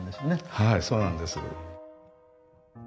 はいそうなんです。